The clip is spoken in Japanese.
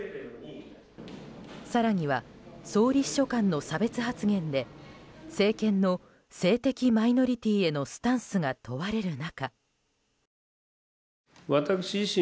更には総理秘書官の差別発言で政権の性的マイノリティーへのスタンスが問われる中。